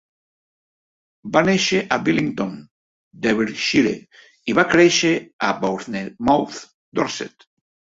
Va néixer a Willington, Derbyshire, i va créixer a Bournemouth, Dorset.